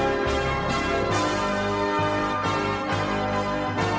yang masih bermain di kanta ora